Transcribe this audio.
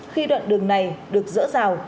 khi đoạn đường này được dỡ rào